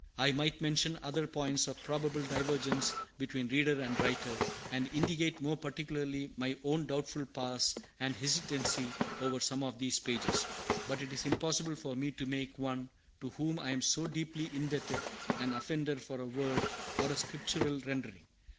I might mention other points of probable divergence between reader and writer, and indicate more particularly my own doubtful parse and hesitancy over some of these pages. But it is impossible for me to make one to whom I am so deeply indebted an offender for a word or a Scriptural rendering.